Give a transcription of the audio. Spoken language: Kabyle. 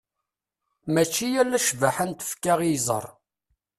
Mačči ala ccbaḥa n tfekka i yeẓẓar.